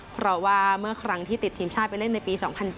เพราะว่าเมื่อครั้งที่ติดทีมชาติไปเล่นในปี๒๐๐๗